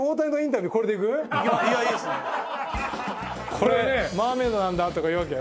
「これマーメイドなんだ」とか言うわけ？